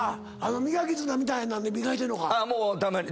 みたいなんで磨いてんのか。